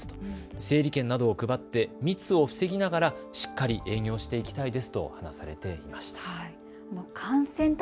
整理券などを配って密を防ぎながら、しっかり営業していきたいですと話されていました。